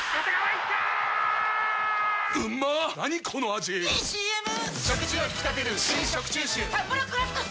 ⁉いいＣＭ！！